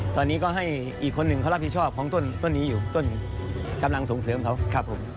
ตอนนี้ก็ให้อีกคนหนึ่งเขารับผิดชอบของต้นนี้อยู่ต้นกำลังส่งเสริมเขาครับผม